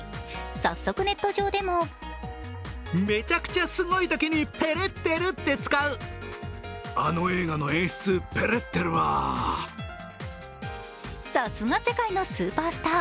早速ネット上でもさすが世界のスーパースター。